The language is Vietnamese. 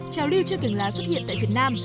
trào lưu chưa kiềng lá xuất hiện tại việt nam